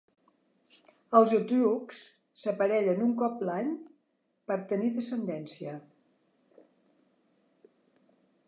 Els otyughs s'aparellen un cop l'any per tenir descendència.